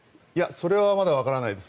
それはまだわからないです。